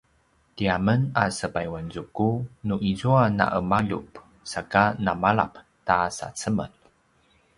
tiamen a sepayuanzuku nu izua na’emaljup saka namalap ta sacemel